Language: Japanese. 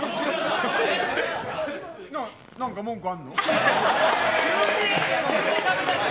なんか文句あんの？